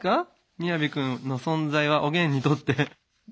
雅くんの存在はおげんにとって。